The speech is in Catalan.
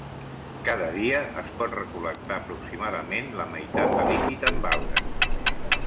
Cada dia es pot recol·lectar aproximadament la meitat de líquid amb algues.